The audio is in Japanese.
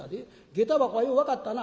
下駄箱がよう分かったな」。